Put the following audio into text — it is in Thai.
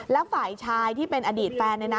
แล้วฝ่ายชายที่เป็นอดีตแฟน